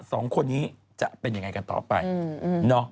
สองคนนี้จะเป็นยังไงกันต่อไปเนาะมีหลายคู่เลยเห็นกันล่ะ